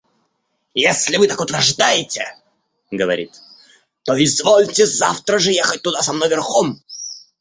— Если вы так утверждаете, — говорит, — то извольте завтра же ехать туда со мной верхом...